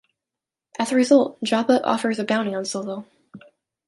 As a result, Jabba offers a bounty on Solo.